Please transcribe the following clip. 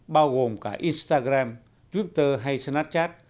bao gồm cả instagram twitter hay snapchat